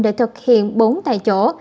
để thực hiện bốn tại chỗ